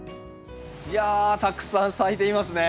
いやたくさん咲いていますね。